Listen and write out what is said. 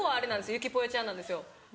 ゆきぽよちゃんなんですよ。